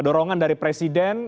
dorongan dari presiden